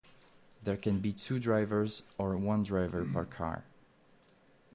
There can be two drivers or one driver per car.